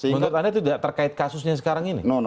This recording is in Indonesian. menurut anda tidak terkait kasusnya sekarang ini